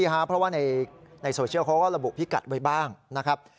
เพราะว่าในโซเชียลเขาก็ระบุพิกัดไว้บ้างนะครับ